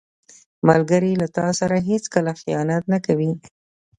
ملګری له تا سره هیڅکله خیانت نه کوي